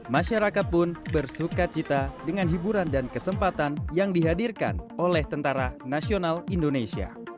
masyarakat pun bersuka cita dengan hiburan dan kesempatan yang dihadirkan oleh tentara nasional indonesia